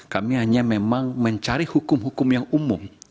kami hanya memang mencari hukum hukum yang umum